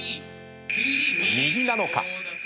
右なのか？